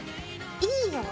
いいよ。